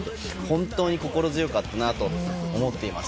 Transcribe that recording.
本当に心強かったなと思っています。